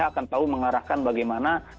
akan tahu mengarahkan bagaimana